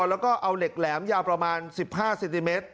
แล้วก็เอาเหล็กแหลมยาวประมาณ๑๕เซนติเมตร